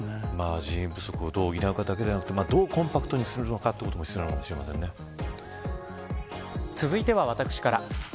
人員不足をどう補うかだけでなく、どうコンパクトに続いては私から。